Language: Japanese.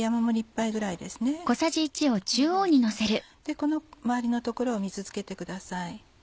この周りの所を水付けてください。